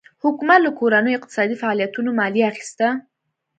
حکومت له کورنیو اقتصادي فعالیتونو مالیه اخیسته.